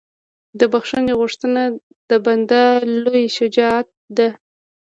د بښنې غوښتنه د بنده لویه شجاعت ده.